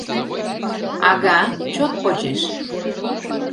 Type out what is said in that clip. Ага, чот почеш.